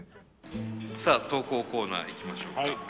さあ投稿コーナーいきましょうか。